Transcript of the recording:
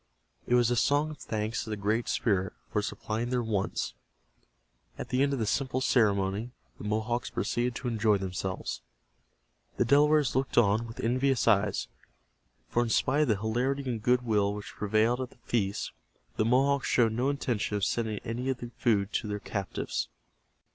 It was a song of thanks to the Great Spirit, for supplying their wants. At the end of the simple ceremony, the Mohawks proceeded to enjoy themselves. The Delawares looked on with envious eyes, for in spite of the hilarity and good will which prevailed at the feast the Mohawks showed no intention of sending any of the food to their captives.